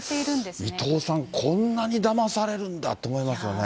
これ、伊藤さん、こんなにだまされるんだって思いますよね。